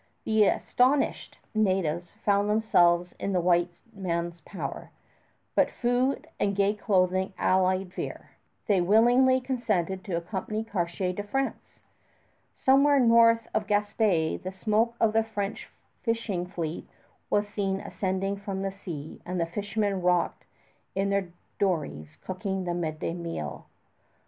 The astonished natives found themselves in the white men's power, but food and gay clothing allayed fear. They willingly consented to accompany Cartier to France. Somewhere north of Gaspé the smoke of the French fishing fleet was seen ascending from the sea, as the fishermen rocked in their dories cooking the midday meal.